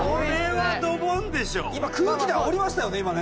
今空気であおりましたよね今ね。